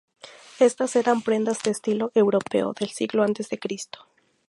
Estas eran prendas de estilo europeo, del siglo antes de Cristo.